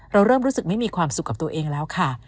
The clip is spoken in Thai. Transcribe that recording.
เราเริ่มรู้สึกไม่มีความสุขกับตัวเองแล้วค่ะ